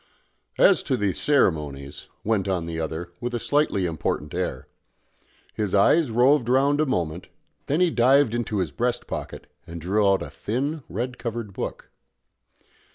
"As to the ceremonies " went on the other, with a slightly important air. His eyes roved round a moment; then he dived into his breast pocket, and drew out a thin red covered book.